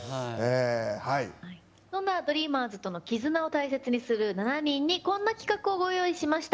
そんなＤＲＥＡＭＥＲＳとの絆を大切にする７人にこんな企画をご用意しました。